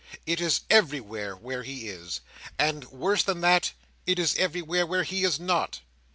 It is everywhere where he is; and, worse than that, it is everywhere where he is not.